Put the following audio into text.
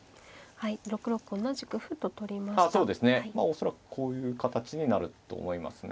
恐らくこういう形になると思いますね。